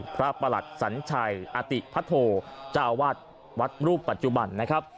พระประหลักษันชายอาติพัทโถเจ้าอาวาสวัดรูปปัจจุบันนะครับ